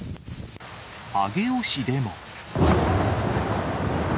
上尾市でも。